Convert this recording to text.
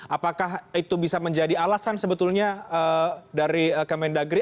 apakah itu bisa menjadi alasan sebetulnya dari kemendagri